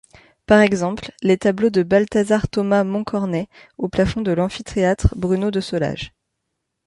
Par exemple, les tableaux de Balthazar-Thomas Moncornet au plafond de l'amphithéâtre Bruno de Solages.